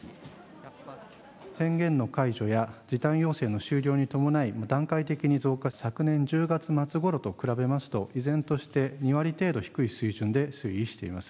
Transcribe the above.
宣言の解除や、時短要請の終了に伴い、段階的に増加、昨年１０月末ごろと比べますと、依然として２割程度低い水準で推移しています。